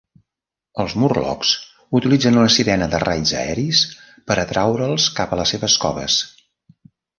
Els Morlocks utilitzen una sirena de raids aeris per atraure'ls cap a les seves coves.